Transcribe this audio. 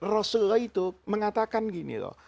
rasulullah itu mengatakan gini loh